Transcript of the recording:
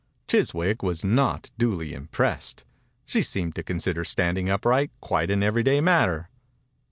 Chiswick was not duly im pressed. She seemed to consider standing upright quite an every day matter.